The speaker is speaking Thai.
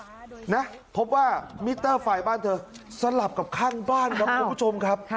เพราะว่ามิเตอร์ไฟบ้านเธอสะหรับกับข้างบ้านครับคุณผู้ชม